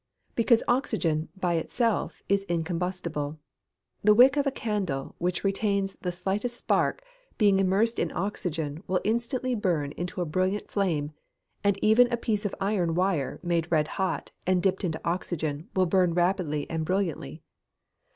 _ Because oxygen, by itself, is incombustible. The wick of a candle, which retains the slightest spark, being immersed in oxygen, will instantly burst into a brilliant flame; and even a piece of iron wire made red hot, and dipped in oxygen, will burn rapidly and brilliantly.